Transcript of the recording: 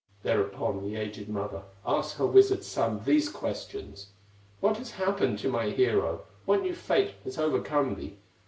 '" Thereupon the aged mother Asks her wizard son these questions: "What has happened to my hero, What new fate has overcome thee?